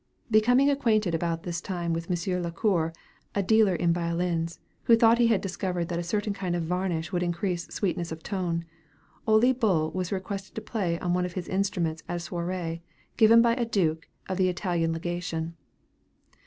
Becoming acquainted about this time with Monsieur Lacour, a dealer in violins, who thought he had discovered that a certain kind of varnish would increase sweetness of tone, Ole Bull was requested to play on one of his instruments at a soirée, given by a Duke of the Italian Legation.